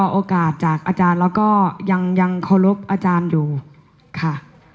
โอกาสจากอาจารย์แล้วก็ยังเคารพอาจารย์อยู่ค่ะ